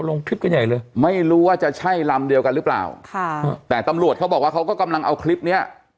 ลงคลิปกันใหญ่เลยไม่รู้ว่าจะใช่ลำเดียวกันหรือเปล่าค่ะแต่ตำรวจเขาบอกว่าเขาก็กำลังเอาคลิปเนี้ย